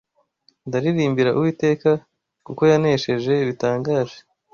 Ndaririmbira Uwiteka, kuko yanesheje bitangaje